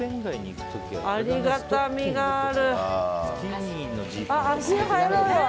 ありがたみがある。